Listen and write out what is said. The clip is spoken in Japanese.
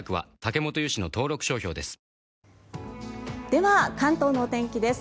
では、関東のお天気です。